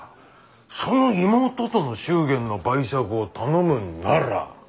その妹との祝言の媒酌を頼むんなら